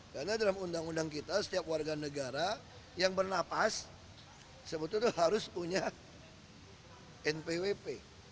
karena dalam undang undang kita setiap warga negara yang bernapas sebetulnya harus punya npwp